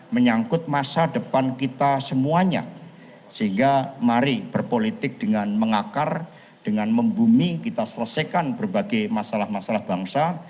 menyangkut masa depan kita semuanya sehingga mari berpolitik dengan mengakar dengan membumi kita selesaikan berbagai masalah masalah bangsa